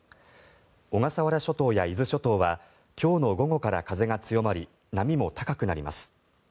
小笠原諸島や伊豆諸島は今日の午後から風が強まり波も高くなります。